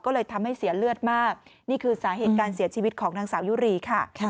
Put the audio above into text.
ก็เลยทำให้เสียเลือดมากนี่คือสาเหตุการเสียชีวิตของนางสาวยุรีค่ะ